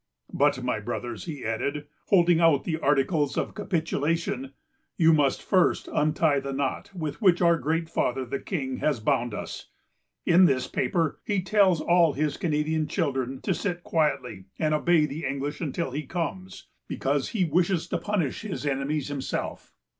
"But, my brothers," he added, holding out the articles of capitulation, "you must first untie the knot with which our Great Father, the King, has bound us. In this paper, he tells all his Canadian children to sit quiet and obey the English until he comes, because he wishes to punish his enemies himself.